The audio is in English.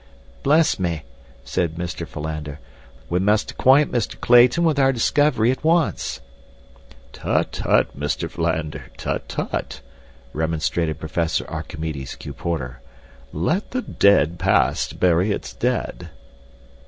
"Bless me," said Mr. Philander, "we must acquaint Mr. Clayton with our discovery at once." "Tut, tut, Mr. Philander, tut, tut!" remonstrated Professor Archimedes Q. Porter. "'Let the dead past bury its dead.